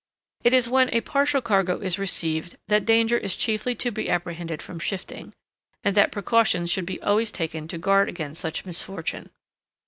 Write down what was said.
It is when a partial cargo is received that danger is chiefly to be apprehended from shifting, and that precautions should be always taken to guard against such misfortune.